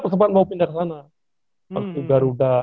aku mau pindah ke sana